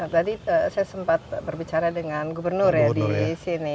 tadi saya sempat berbicara dengan gubernur ya di sini